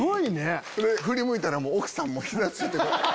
振り向いたら奥さん膝ついて。